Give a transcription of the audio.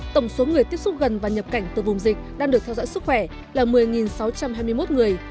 tổng số người tiếp xúc gần và nhập cảnh từ vùng dịch đang được theo dõi sức khỏe là một mươi sáu trăm hai mươi một người